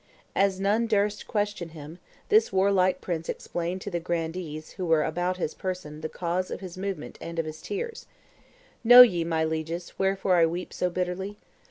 As none durst question him, this warlike prince explained to the grandees who were about his person the cause of his movement and of his tears: 'Know ye, my lieges, wherefore I weep so bitterly?